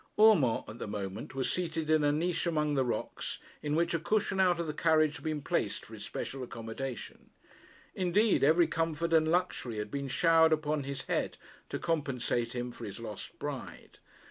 Urmand, at the moment, was seated in a niche among the rocks, in which a cushion out of the carriage had been placed for his special accommodation. Indeed, every comfort and luxury had been showered upon his head to compensate him for his lost bride.